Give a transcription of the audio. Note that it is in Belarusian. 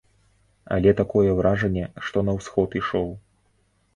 Але такое ўражанне, што на ўсход ішоў.